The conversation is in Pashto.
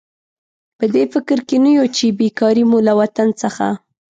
په دې فکر کې نه یو چې بېکاري مو له وطن څخه.